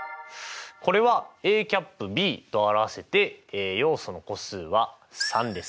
これはＡ∩Ｂと表せて要素の個数は３です。